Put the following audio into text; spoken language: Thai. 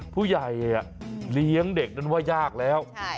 ผู้ใหญ่เลี้ยงเด็กนั้นว่ายากแล้ว